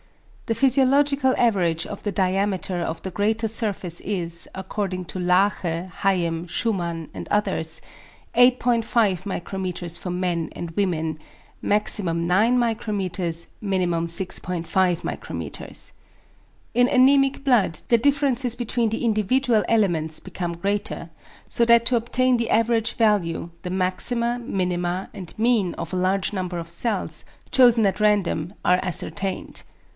The physiological average of the diameter of the greater surface is, according to Laache, Hayem, Schumann and others, 8.5 µ for men and women (max. 9.0 µ. min. 6.5 µ.) In anæmic blood the differences between the individual elements become greater, so that to obtain the average value, the maxima, minima, and mean of a large number of cells, chosen at random, are ascertained.